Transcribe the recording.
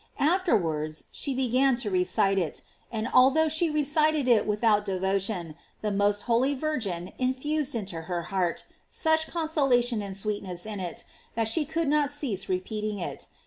Afterwards, she began to recite it; and although she recited it without devotion, the most holy Virgin infused into her heart such consolation and sweetness in it, that she could not cease re peating it.